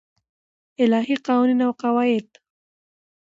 الف : الهی قوانین او قواعد